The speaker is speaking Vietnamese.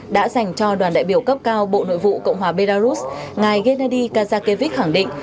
đã dành cho đoàn đại biểu cấp cao bộ nội vụ cộng hòa belarus ngài gennady kazakevich khẳng định